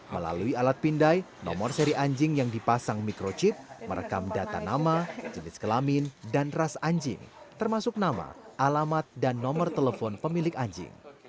melalui alat pindai nomor seri anjing yang dipasang microchip merekam data nama jenis kelamin dan ras anjing termasuk nama alamat dan nomor telepon pemilik anjing